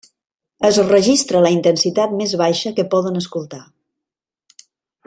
Es registra la intensitat més baixa que poden escoltar.